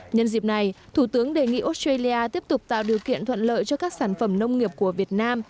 nhân dịp này thủ tướng đề nghị australia tiếp tục tạo điều kiện thuận lợi cho các sản phẩm nông nghiệp của việt nam